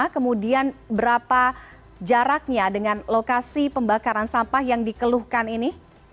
kemudian berapa jaraknya dengan lokasi pembakaran sampah yang dikeluhkan ini